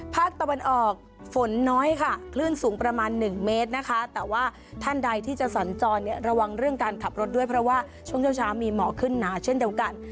ภาคตะวันออกฝนน้อยค่ะคลื่นสูงประมาณหนึ่งเมตรนะคะแต่ว่าท่านใดที่จะสัญจรเนี่ยระวังเรื่องการขับรถด้วยเพราะว่าช่วงเช้ามีหมอกขึ้นหนาเช่นเดียวกัน